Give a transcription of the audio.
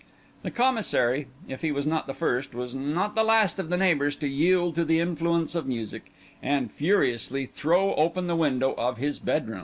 The Commissary, if he was not the first, was not the last of the neighbours to yield to the influence of music, and furiously throw open the window of his bedroom.